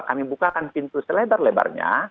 kami buka kan pintu selebar lebarnya